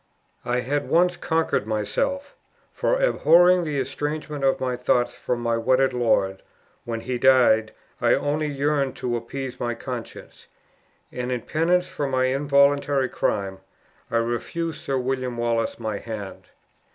I had once conquered myself; for abhorring the estrangement of my thoughts from my wedded lord, when he died I only yearned to appease my conscience; and in penance for my involuntary crime, I refused Sir William Wallace my hand.